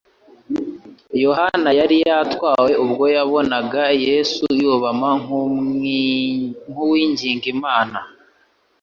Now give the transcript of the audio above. Yohana yari yatwawe ubwo yabonaga Yesu yubama nk'uwinginga Imana